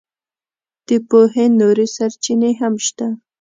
د پوهې نورې سرچینې هم شته.